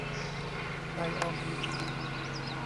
ไดออมีด